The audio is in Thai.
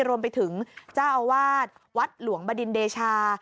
รวมไปถึงเจ้าอาวาสวัดหลวงบดินเดชา